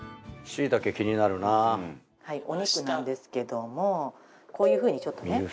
はいお肉なんですけどもこういう風にちょっとね。